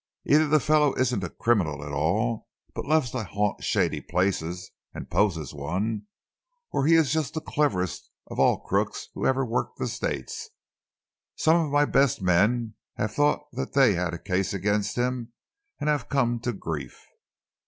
Either the fellow isn't a criminal at all but loves to haunt shady places and pose as one, or he is just the cleverest of all the crooks who ever worked the States. Some of my best men have thought that they had a case against him and have come to grief."